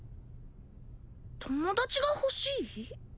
友達が欲しい？